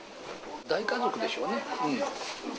大家族でしょうね。